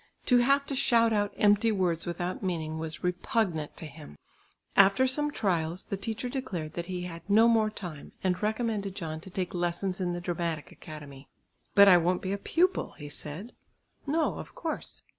To have to shout out empty words without meaning was repugnant to him. After some trials the teacher declared that he had no more time and recommended John to take lessons in the Dramatic Academy. "But I won't be a pupil," he said. "No, of course."